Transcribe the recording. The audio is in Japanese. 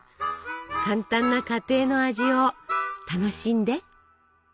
簡単な家庭の味を楽しんで。